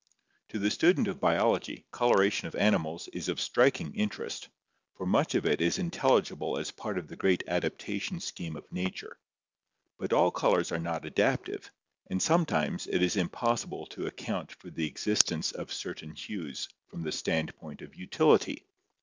To the student of Biology, coloration of animals is of striking interest, for much of it is intelligible as part of the great adaptation scheme of nature; but all colors are not adaptive and sometimes it is impossible to account for the existence of certain hues from the standpoint of utility.